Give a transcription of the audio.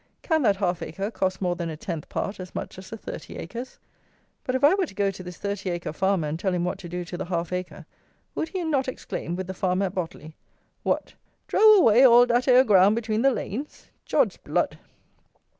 Can that half acre cost more than a tenth part as much as the thirty acres? But if I were to go to this thirty acre farmer, and tell him what to do to the half acre, would he not exclaim with the farmer at Botley: "What! drow away all that 'ere ground between the lains! Jod's blood!"